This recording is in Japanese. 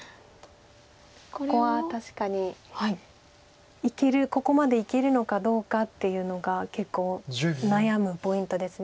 ここは確かにここまでいけるのかどうかっていうのが結構悩むポイントです。